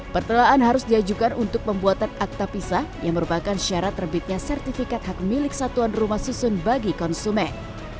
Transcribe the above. pertelaan harus diajukan untuk pembuatan akta pisah yang merupakan syarat terbitnya sertifikat hak milik satuan rumah susun bagi konsumen